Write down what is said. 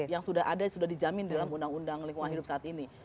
yang sudah ada sudah dijamin dalam undang undang lingkungan hidup saat ini